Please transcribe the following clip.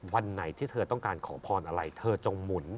วันไหนที่เธอต้องการขอพรอะไรเธอจงหมุน